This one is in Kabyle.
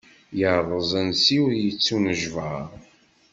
Yerreẓ ansi ur yettunejbar.